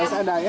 harus ada ya